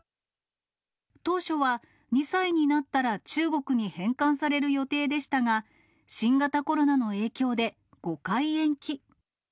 当初は２歳になったら、中国に返還される予定でしたが、新型コロナの影響で５回延期。